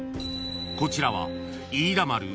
［こちらは］